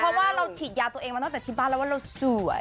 เพราะว่าเราฉีดยาตัวเองมาตั้งแต่ที่บ้านแล้วว่าเราสวย